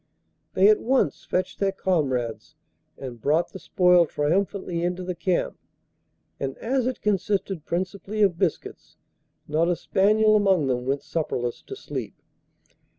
They at once fetched their comrades, and brought the spoil triumphantly into the camp, and, as it consisted principally of biscuits, not a spaniel among them went supperless to sleep.